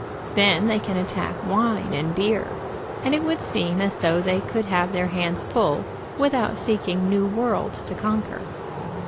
Then they can attack wine and beer, and it would seem as though they could have their hands full with out seeking new worlds to conquer.